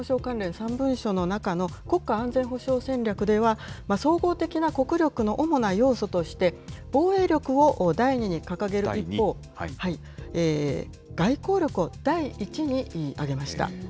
３文書の中の国家安全保障戦略では、総合的な国力の主な要素として、防衛力を第２に掲げる一方、外交力を第１に挙げました。